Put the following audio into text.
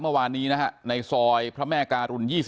เมื่อวานนี้นะฮะในซอยพระแม่การุณ๒๐